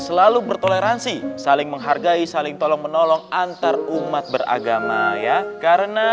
selalu bertoleransi saling menghargai saling tolong menolong antarumat beragama ya karena